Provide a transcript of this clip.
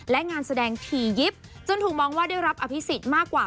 และงานแสดงถี่ยิบจนถูกมองว่าได้รับอภิษฎมากกว่า